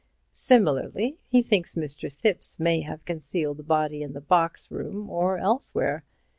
Similarly, he thinks Mr. Thipps may have concealed the body in the box room or elsewhere.